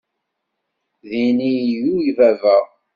Din i ilul baba.